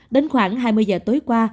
đến khoảng hai mươi giờ tối qua